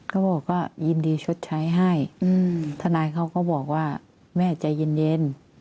ก็บอกว่ายินดีชดใช้ให้ทนายเขาก็บอกว่าแม่ใจเย็น